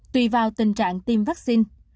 tùy vào tình trạng tiêm vaccine